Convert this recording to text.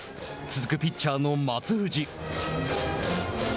続くピッチャーの松藤。